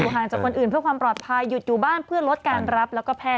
ห่างจากคนอื่นเพื่อความปลอดภัยหยุดอยู่บ้านเพื่อลดการรับแล้วก็แพทย